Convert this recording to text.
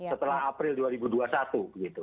setelah april dua ribu dua puluh satu begitu